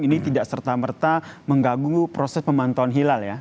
ini tidak serta merta mengganggu proses pemantauan hilal ya